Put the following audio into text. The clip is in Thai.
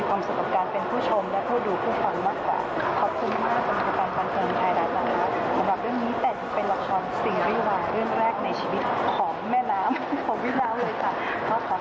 ความสวยไม่เคยได้นะครับสวยมากจริงนะครับ